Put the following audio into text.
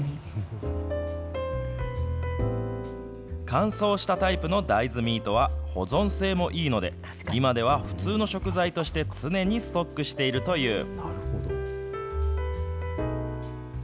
乾燥したタイプの大豆ミートは、保存性もいいので、今では普通の食材として常にストックしているという。